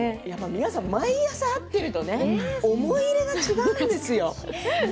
皆さん毎朝、会っていると思い入れが違うんですよ。